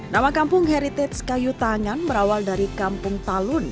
nama kampung heritage kayu tangan berawal dari kampung talun